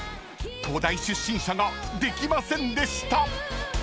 ［東大出身者ができませんでした］